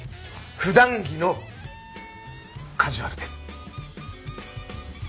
普段着のカジュアルです。